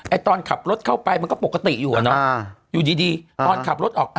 ตอนขับรถเข้าไปมันก็ปกติอยู่อ่ะเนอะอยู่ดีดีตอนขับรถออก